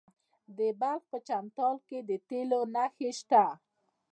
د بلخ په چمتال کې د تیلو نښې شته.